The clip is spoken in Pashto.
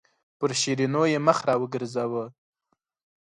پر شیرینو یې مخ راوګرځاوه.